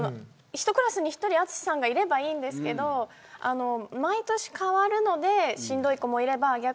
１クラスに１人淳さんがいればいいですけれど毎年、替わるのでしんどい子もいれば。